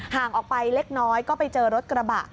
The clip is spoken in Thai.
ห่างออกไปเล็กน้อยก็ไปเจอรถกระบะ